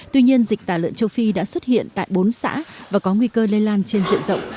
tuy nhiên dịch tả lợn châu phi đã xuất hiện tại bốn xã và có nguy cơ lây lan trên diện rộng